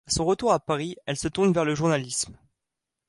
À son retour à Paris, elle se tourne vers le journalisme.